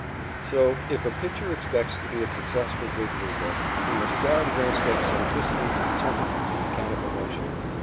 So if a pitcher expects to be a successful Big Leaguer, he must guard against eccentricities of temperament and mechanical motion.